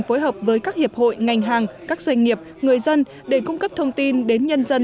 phối hợp với các hiệp hội ngành hàng các doanh nghiệp người dân để cung cấp thông tin đến nhân dân